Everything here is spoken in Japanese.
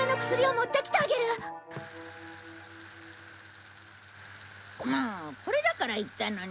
もうこれだから言ったのに。